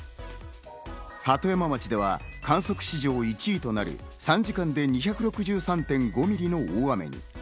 鳩山町では観測史上１位となる３時間で２６３．５ミリの大雨に。